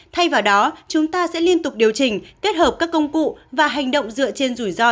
thay vào đó chúng ta sẽ liên tục điều chỉnh kết hợp các công cụ và hành động dựa trên rủi ro